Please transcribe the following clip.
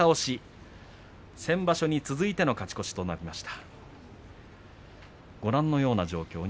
先場所に続いての勝ち越しとなりました。